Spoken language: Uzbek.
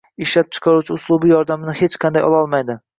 Ishlab chiqaruvchi uslubi yordamni hech joydan ololmaydi.